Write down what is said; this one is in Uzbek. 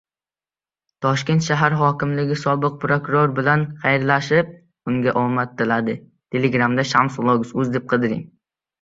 Toshkent shahar hokimligi sobiq prokuror bilan xayrlashib, unga omad tiladi